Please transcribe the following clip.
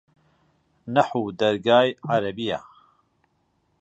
نەحوو دەرگای عەرەبییە